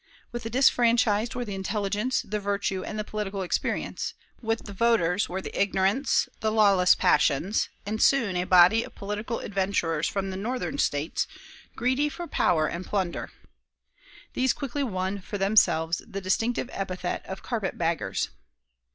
With the disfranchised were the intelligence, the virtue, and the political experience; with the voters were the ignorance, the lawless passions, and soon a body of political adventurers from the Northern States, greedy for power and plunder. These quickly won for themselves the distinctive epithet of "carpet baggers".